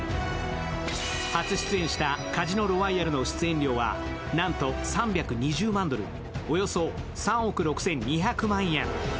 初出演した「カジノロワイヤル」の出演料はなんと３２０万ドル、およそ３億６２００万円。